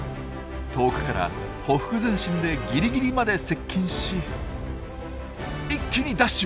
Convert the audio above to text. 遠くからほふく前進でギリギリまで接近し一気にダッシュ！